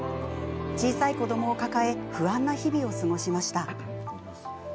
小さい子どもを抱え不安な日々を過ごしました。